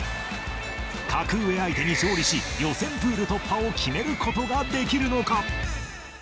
格上相手に勝利し、予選プール突破を決めることができるのか。